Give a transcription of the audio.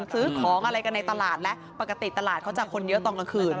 ซื้อของอะไรกันในตลาดและปกติตลาดเขาจะคนเยอะตอนกลางคืน